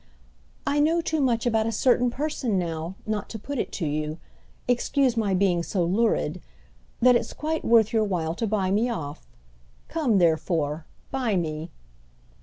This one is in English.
"I know too much about a certain person now not to put it to you—excuse my being so lurid—that it's quite worth your while to buy me off. Come, therefore; buy me!"